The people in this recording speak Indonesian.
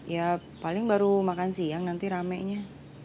ya paling baru makan siang nanti rame nya